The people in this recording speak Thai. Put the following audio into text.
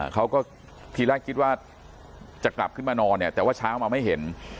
เขาก็ทีแรกคิดว่าจะกลับขึ้นมานอนเนี่ยแต่ว่าเช้ามาไม่เห็น